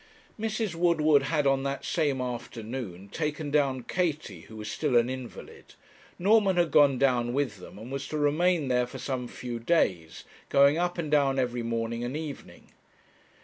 Mrs. Woodward had on that same afternoon taken down Katie, who was still an invalid; Norman had gone down with them, and was to remain there for some few days going up and down every morning and evening.